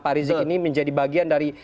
pak rizik ini menjadi bagian dari